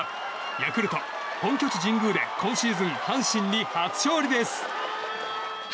ヤクルト本拠地、神宮で今シーズン、阪神に初勝利です。